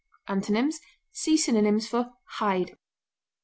Antonyms: See synonyms for HIDE.